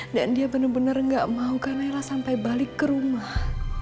dan dia benar benar gak mau kak naila sampai balik ke rumah